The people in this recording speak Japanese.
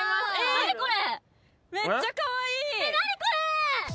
何これ。